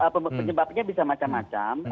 penyebabnya bisa macam macam